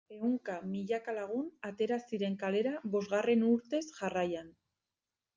Ehunka milaka lagun atera ziren kalera bosgarren urtez jarraian.